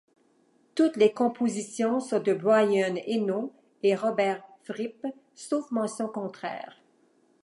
Toutes les compositions sont de Brian Eno et Robert Fripp, sauf mention contraire.